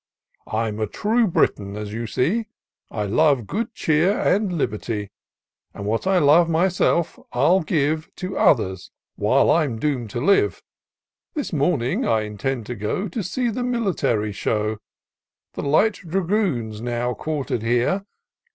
I'm a true Briton, as you see ; I love good cheer, and liberty ; And what I love myself, I'll give To others, while I'm doom'd to Uve» This morning I intend to go To see the military show. The light dragoons, now quartered here.